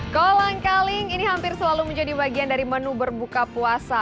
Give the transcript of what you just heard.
kolang kaling ini hampir selalu menjadi bagian dari menu berbuka puasa